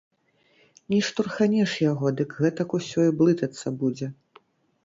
Не штурханеш яго, дык гэтак усё і блытацца будзе.